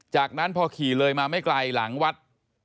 จากนั้นพอขี่เลยมาไม่ไกลหลังวัด